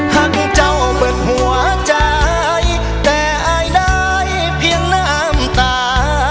หากเจ้าเบิดหัวใจแต่อายได้เพียงน้ำตา